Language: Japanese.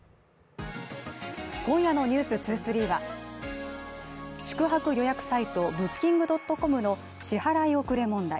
今夜の「ｎｅｗｓ２３」は宿泊予約サイトＢｏｏｋｉｎｇ．ｃｏｍの支払い遅れ問題